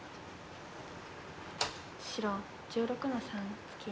白１６の三ツケ。